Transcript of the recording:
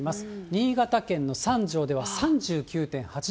新潟県の三条では３９．８度。